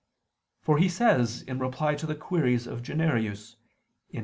For he says in reply to the queries of Januarius (Ep.